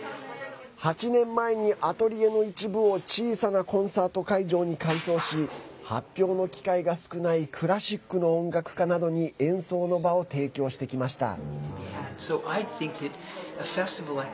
８年前にアトリエの一部を小さなコンサート会場に改装し発表の機会が少ないクラシックの音楽家などに演奏の場を提供してきました。